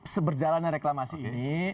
seberjalannya reklamasi ini